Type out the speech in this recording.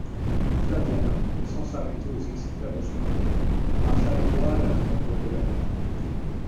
Flaviana, sans s'arrêter aux exclamations du bonhomme, marcha droit à la chambre de la malade.